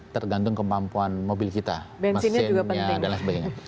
tergantung kemampuan mobil kita mesinnya dan lain sebagainya